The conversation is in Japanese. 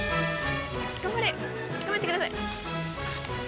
頑張れ！頑張ってください！